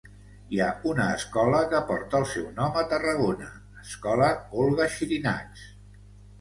Hi ha una escola que porta el seu nom a Tarragona, Escola Olga Xirinacs.